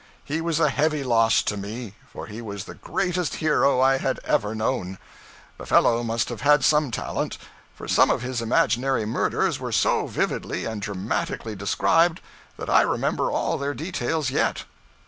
He was a heavy loss to me, for he was the greatest hero I had ever known. The fellow must have had some talent; for some of his imaginary murders were so vividly and dramatically described that I remember all their details yet.